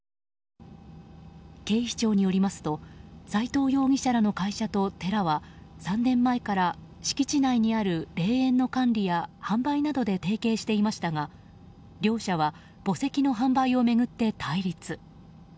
警視庁によりますと斎藤容疑者らの会社と寺は３年前から敷地内にある霊園の管理や販売などで提携していましたが両者は墓石の販売を巡って対立。